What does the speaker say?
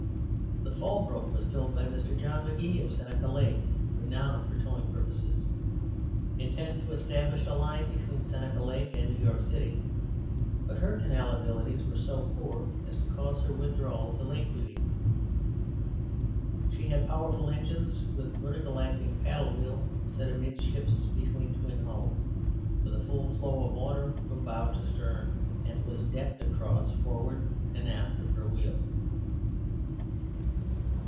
The Fall Brook was built by Mr. John McGee, of Seneca Lake renown, for towing purposes, intending to establish a line between Seneca Lake and New York city; but her canal abilities were so poor as to cause her withdrawal to lake duty. She had powerful engines, with vertical acting paddle wheel, set amidships between twin hulls, with a full flow of water from bow to stern, and was decked across forward and aft of her wheel.